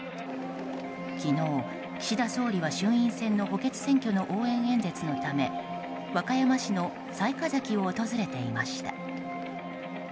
昨日、岸田総理は衆院選の補欠選挙の応援演説のため和歌山市の雑賀崎を訪れていました。